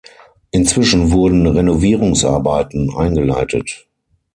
Inzwischen wurden Renovierungsarbeiten eingeleitet.